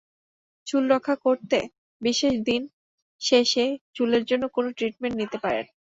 চুল রক্ষা করতে বিশেষ দিন শেষে চুলের জন্য কোনো ট্রিটমেন্ট নিতে পারেন।